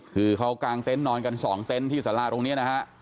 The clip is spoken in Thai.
คือเขากางเต็นต์นอนกัน๒เต็นต์ที่สาราตรงนี้นะฮะ